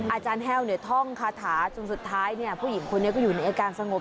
อาจารย์แห้วท่องคาถาจนสุดท้ายผู้หญิงคนนี้ก็อยู่ในอาการสงบ